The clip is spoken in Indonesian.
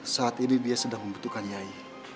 saat ini dia sedang membutuhkan nyai